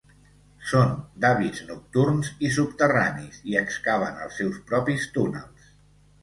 Són d'hàbits nocturns i subterranis i excaven els seus propis túnels.